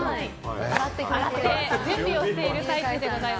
洗って準備をしている最中でございます。